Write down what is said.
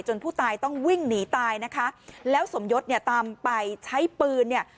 ผู้ตายต้องวิ่งหนีตายนะคะแล้วสมยศเนี่ยตามไปใช้ปืนเนี่ย